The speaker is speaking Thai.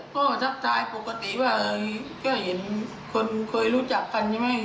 ก็ทักทายปกติว่าก็เห็นคนเคยรู้จักกันใช่ไหม